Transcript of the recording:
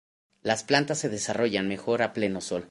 Las plantas se desarrollan mejor a pleno sol.